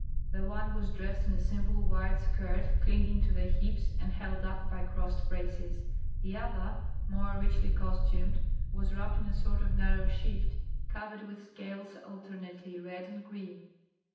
The one was dressed in a simple white skirt clinging to the hips and held up by crossed braces; the other, more richly costumed, was wrapped in a sort of narrow shift, covered with scales alternately red and green.